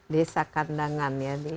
desa kandangan ya